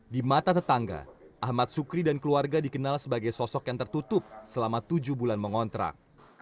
di mata tetangga ahmad sukri dan keluarga dikenal sebagai sosok yang tertutup selama tujuh bulan mengontrak